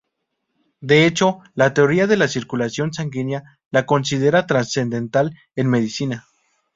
De hecho, la teoría de la circulación sanguínea la considera trascendental en medicina.